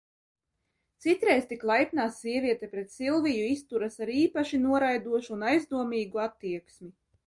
Citreiz tik laipnā sieviete pret Silviju izturas ar īpaši noraidošu un aizdomīgu attieksmi.